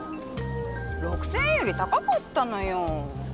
６０００円より高かったのよ。